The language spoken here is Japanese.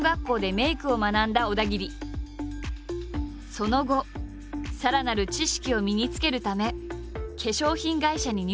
その後さらなる知識を身につけるため化粧品会社に入社。